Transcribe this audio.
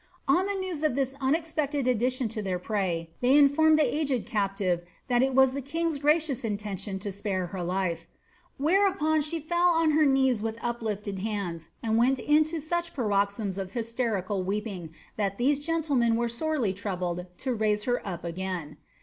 On the news of this unexpected addition to tlieir prey, they informed the aged captive that it was the king's gracious intention to spare her life ; whereupon she fell on her knees with uplifted hands, and went into such paroxysms of hysterical weeping, that these gentlemen were ^^ sorely troubled'' to raise her up again.